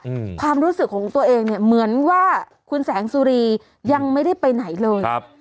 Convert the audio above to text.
อืมความรู้สึกของตัวเองเนี้ยเหมือนว่าคุณแสงสุรียังไม่ได้ไปไหนเลยครับ